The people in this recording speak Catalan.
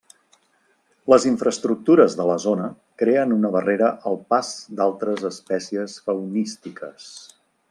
Les infraestructures de la zona creen una barrera al pas d'altres espècies faunístiques.